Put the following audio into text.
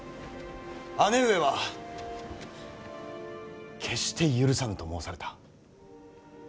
姉上は決して許さぬと申された。